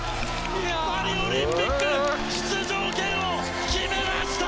パリオリンピック出場権を決めました！